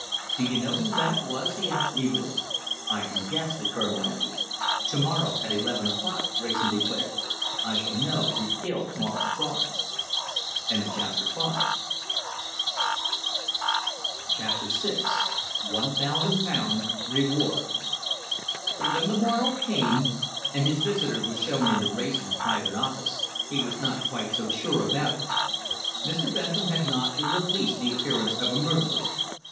"Do you know who that was?" he asked eagerly. "I can guess," the Colonel answered. "To morrow, at eleven o'clock," Wrayson declared, "I shall know who killed Morris Barnes." CHAPTER VI ONE THOUSAND POUNDS' REWARD But when the morrow came, and his visitor was shown into Wrayson's private office, he was not quite so sure about it. Mr. Bentham had not in the least the appearance of a murderer.